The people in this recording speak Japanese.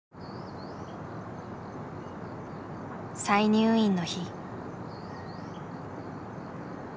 再入院の日。